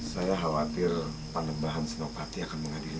saya khawatir panembahan senopati akan mengadili